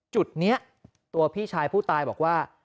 จุดนี้ตัวพี่ชายผู้ตายบอกว่า